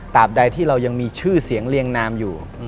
บใดที่เรายังมีชื่อเสียงเรียงนามอยู่